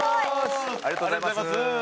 ありがとうございます。